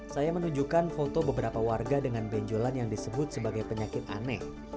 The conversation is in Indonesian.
saya menunjukkan foto beberapa warga dengan benjolan yang disebut sebagai penyakit aneh